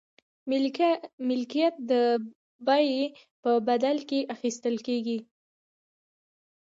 ملکیت د بیې په بدل کې اخیستل کیږي.